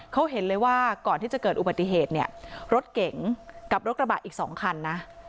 เขาเห็นเลยว่าก่อนที่จะเกิดอุบัติเหตุเนี่ยรถเก๋งกับรถกระบะอีกสองคันนะ